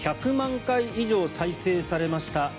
１００万回以上再生されました